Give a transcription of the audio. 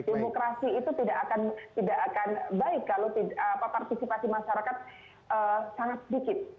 demokrasi itu tidak akan baik kalau partisipasi masyarakat sangat sedikit